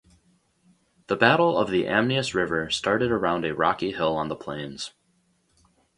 The Battle of the Amnias River started around a rocky hill on the plains.